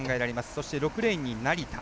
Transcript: そして６レーンに成田。